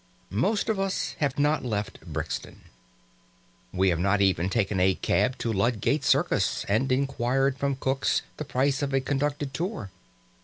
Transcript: Most of us have not left Brixton. We have not even taken a cab to Ludgate Circus and inquired from Cook's the price of a conducted tour.